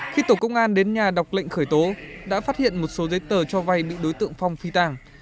khi tổ công an đến nhà đọc lệnh khởi tố đã phát hiện một số giấy tờ cho vay bị đối tượng phong phi tàng